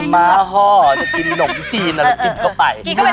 ม้าฮอจะกินนมจีนมากกินเข้าไป